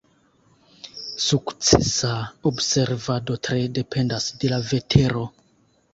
Sukcesa observado tre dependas de la vetero.